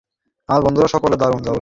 আমার বন্ধুরা সকলে দারুণ।